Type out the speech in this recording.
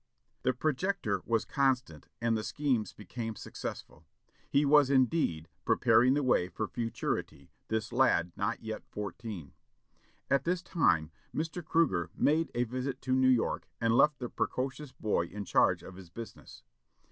The "projector was constant," and the "schemes became successful." He was indeed "preparing the way for futurity," this lad not yet fourteen. At this time, Mr. Cruger made a visit to New York, and left the precocious boy in charge of his business.